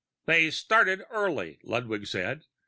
"They started early," Ludwig said.